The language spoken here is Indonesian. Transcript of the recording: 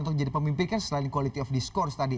untuk jadi pemimpin kan selain quality of diskurs tadi